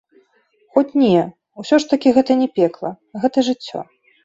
Хоць не, усё ж такі гэта не пекла, гэта жыццё.